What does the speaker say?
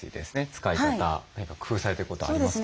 使い方何か工夫されてることありますか？